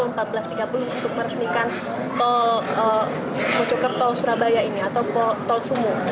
untuk meresmikan tol mojokerto surabaya ini atau tol sumur